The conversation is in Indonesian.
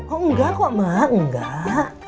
oh enggak kok mak enggak